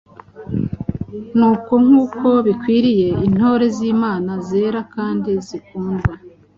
Nuko nk’uko bikwiriye intore z’Imana zera kandi zikundwa,